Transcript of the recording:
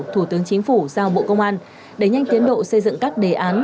thủ tướng chính phủ giao bộ công an đẩy nhanh tiến độ xây dựng các đề án